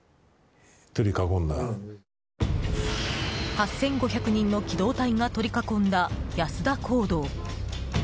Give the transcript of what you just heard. ８５００人の機動隊が取り囲んだ安田講堂。